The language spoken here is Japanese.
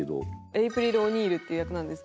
エイプリル・オニールっていう役なんですけど。